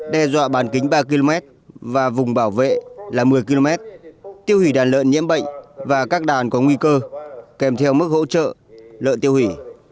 đe dọa bàn kính ba km và vùng bảo vệ là một mươi km tiêu hủy đàn lợn nhiễm bệnh và các đàn có nguy cơ kèm theo mức hỗ trợ lợn tiêu hủy